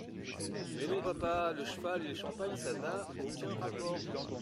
Mais non papa, le cheval et le champagne, ça n’a aucun rapport.